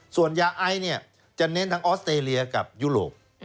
ส่วนยาไอเนี่ยจะเน้นทางออสเตรเลียกับยุโรป